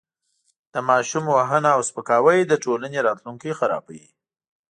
د ماشوم وهنه او سپکاوی د ټولنې راتلونکی خرابوي.